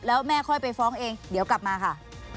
แล้วแม่ค่อยไปฟ้องเองเดี๋ยวกลับมาค่ะ